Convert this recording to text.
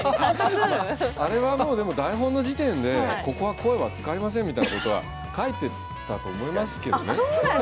あれはでも台本の時点で「ここは声は使いません」みたいなことは書いてたと思いますけどね。